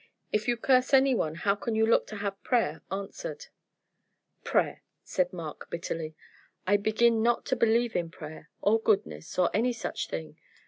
If you curse any one how can you look to have prayer answered?" "Prayer!" said Mark, bitterly. "I begin not to believe in prayer, or goodness, or any such thing.